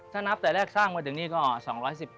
วัดสุทัศน์นี้จริงแล้วอยู่มากี่ปีตั้งแต่สมัยราชการไหนหรือยังไงครับ